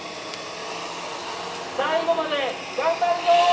最後まで頑張るぞ！